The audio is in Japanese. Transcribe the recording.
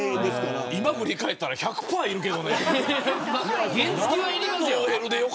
今、振り返ったら１００パーいるけどね。